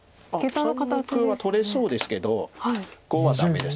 ３目は取れそうですけど５はダメです。